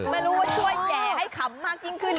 ไม่รู้ว่าช่วยแห่ให้ขำมากยิ่งขึ้น